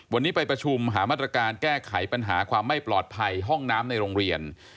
วันนี้ไปประชุมหามาตรการแก้ไขปัญหาความไม่ปลอดภัยห้องน้ำในโรงเรียน